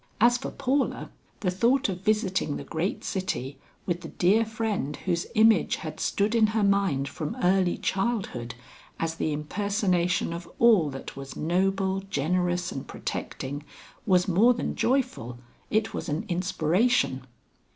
As for Paula, the thought of visiting the great city with the dear friend whose image had stood in her mind from early childhood as the impersonation of all that was noble, generous and protecting, was more than joyful; it was an inspiration.